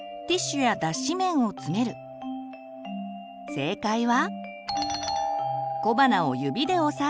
正解は。